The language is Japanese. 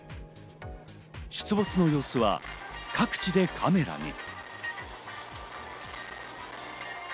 出没の様子は各地でカメラに。